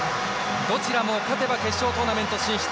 どちらも勝てば決勝トーナメント進出。